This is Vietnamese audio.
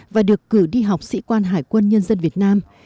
và được cử đi học sĩ quan hải quân nhân dân việt nam